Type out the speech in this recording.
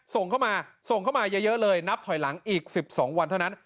ส่งเข้ามาเยอะเลยนับถอยหลังอีก๑๒วันเท่านั้น